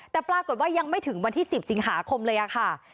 แต่ปรากฏว่ายังไม่ถึงวันที่๑๐สิงหาคมเลยค่ะ